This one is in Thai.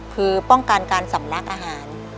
คือป้องกันการสำลักอาหาร